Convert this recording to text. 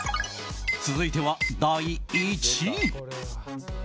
続いては第１位。